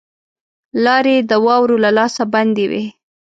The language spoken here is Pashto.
لاري د واورو له لاسه بندي وې.